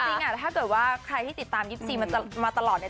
จริงถ้าเกิดว่าใครที่ติดตาม๒๔มันจะมาตลอดเนี่ย